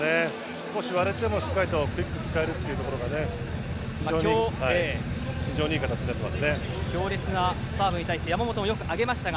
少し割れてもしっかりクイックを使えるというところが非常にいい形になっていますね。